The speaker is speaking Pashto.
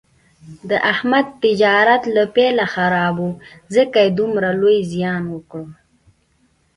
د احمد تجارت له پیله خراب و، ځکه یې دومره لوی زیان وکړ.